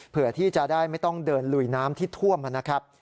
เพื่อที่จะได้ไม่ต้องเดินลุยน้ำที่ท่วมนะครับ